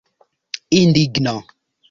Indigno.